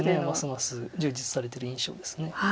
ますます充実されてる印象です。